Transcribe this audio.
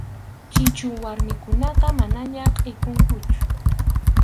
Chichu warmikunaqa manaña kʼikunkuchu.